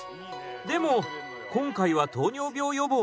でも今回は糖尿病予防の旅。